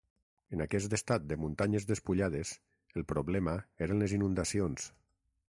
En aquest estat de muntanyes despullades, el problema eren les inundacions.